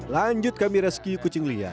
lanjut kami rescue kucing liar